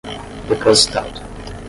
depositado